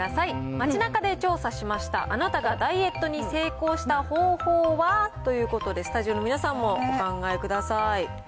街なかで調査しました、あなたがダイエットに成功した方法は？ということで、スタジオの皆さんもお考えください。